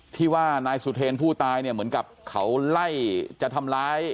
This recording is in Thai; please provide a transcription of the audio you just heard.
ที่ว่านายสุเทรนผู้ตายเนี่ยเหมือนกับเขาไล่จะทำร้าย